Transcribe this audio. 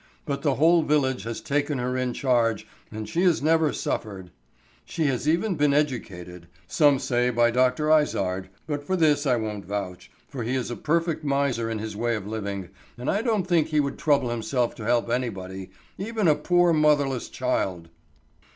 But the whole village has taken her in charge and she has never suffered. She has even been educated,—some say by Dr. Izard, but for this I won't vouch, for he is a perfect miser in his way of living, and I don't think he would trouble himself to help anybody, even a poor motherless child."